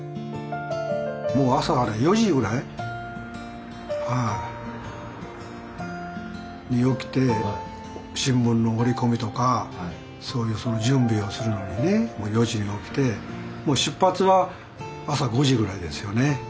もう朝４時ぐらいはいに起きて新聞の折り込みとかそういうその準備をするのにね４時に起きて出発は朝５時ぐらいですよね。